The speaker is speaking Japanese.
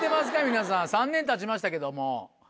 皆さん３年たちましたけども。